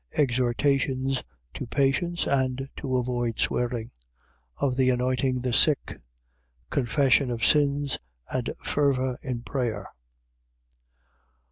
Exhortations to patience and to avoid swearing. Of the anointing the sick, confession of sins and fervour in prayer.